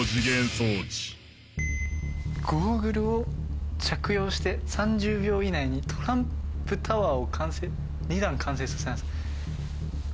「ゴーグルを着用して３０秒以内にトランプタワーを２段完成させなさい」